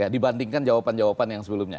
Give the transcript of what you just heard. dibandingkan jawaban jawaban yang sebelumnya